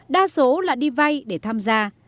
đa số là đi vay để tham gia